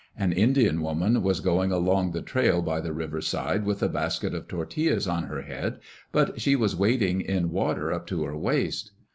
An Indian woman was going along the trail by the river side with a basket of tortillas on her head, but she was wading in water up to her waist.